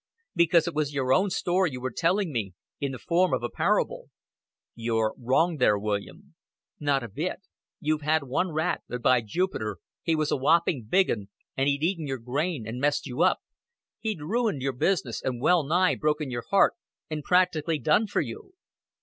Because it was your own story you were telling me, in the form of a parable." "You're wrong there, William." "Not a bit. You'd had one rat but, by Jupiter, he was a whooping big 'un, and he'd eaten your grain, and messed you up he'd ruined your business, and well nigh broken your heart, and practically done for you."